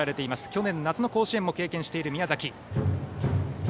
去年夏の甲子園も経験している宮崎。